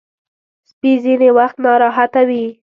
سپي ځینې وخت ناراحته وي.